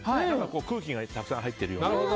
空気がたくさん入っているような。